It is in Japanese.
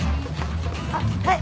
あっはい。